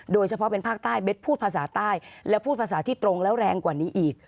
โดยเฉพาะเป็นภาคใต้เบ็ดพูดภาษาใต้และพูดภาษาที่ตรงแล้วแรงกว่านี้อีก